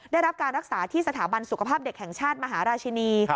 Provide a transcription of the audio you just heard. ได้รับการรักษาที่สถาบันสุขภาพเด็กแห่งชาติมหาราชินี